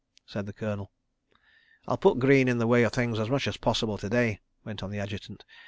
said the Colonel. "I'll put Greene in the way of things as much as possible to day," went on the Adjutant.